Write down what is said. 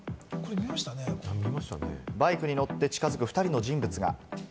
バイクに乗って近づく２人の人物が。